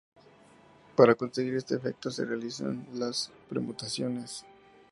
Para conseguir este efecto se realizan las permutaciones.